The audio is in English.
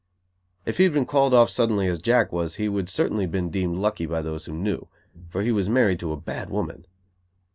If he had been called off suddenly as Jack was, he would certainly have been deemed lucky by those who knew; for he was married to a bad woman.